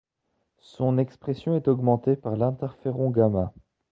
Son expression est augmentée par l'interféron gamma.